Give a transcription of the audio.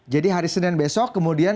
jadi hari senin besok kemudian